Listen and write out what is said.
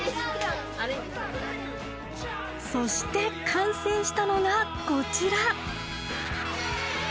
そして完成したのがこちら。